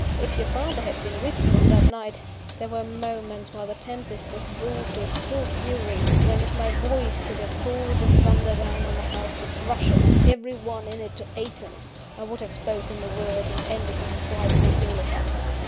If your father had been with you on that night, there were moments, while the tempest was wrought to its full fury, when, if my voice could have called the thunder down on the house to crush it and every one in it to atoms, I would have spoken the word, and ended the strife for all of us.